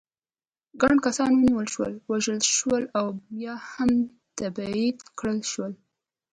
ګڼ کسان ونیول شول، ووژل شول او یا هم تبعید کړل شول.